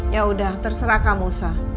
ya udah terserah kamu sa